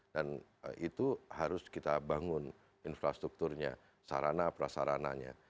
dan itu harus kita bangun infrastrukturnya sarana prasarananya